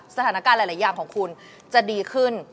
สถานการณ์หลายอย่างของคุณจะดีขึ้น